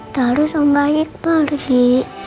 terus om baik pergi